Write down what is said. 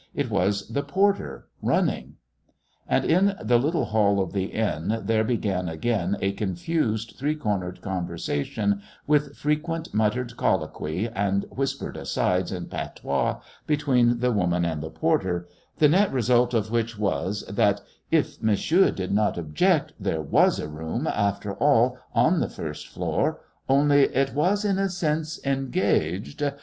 It was the porter running. And in the little hall of the inn there began again a confused three cornered conversation, with frequent muttered colloquy and whispered asides in patois between the woman and the porter the net result of which was that, "If Monsieur did not object there was a room, after all, on the first floor only it was in a sense 'engaged.'